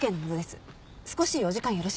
少しお時間よろしいですか？